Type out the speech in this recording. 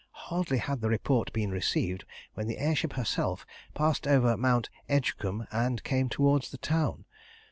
Hardly had the report been received when the air ship herself passed over Mount Edgcumbe and came towards the town.